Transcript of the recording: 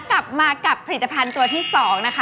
กลับมากับผลิตภัณฑ์ตัวที่๒นะคะ